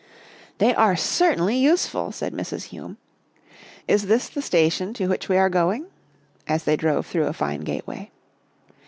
" They are certainly useful," said Mrs. Hume. " Is this the station to which we are going? " as they drove through a fine gateway.